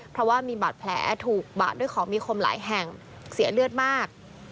เพราะว่ามีบาดแผลถูกบาดด้วยของมีคมหลายแห่งเสียเลือดมาก